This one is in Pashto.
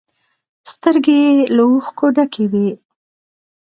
سترگې يې له اوښکو ډکې وې.